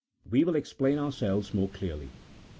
We will explain ourselves more clearly.